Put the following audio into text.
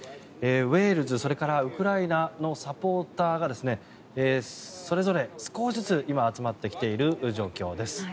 ウェールズ、それからウクライナのサポーターがそれぞれ少しずつ今、集まってきている状況です。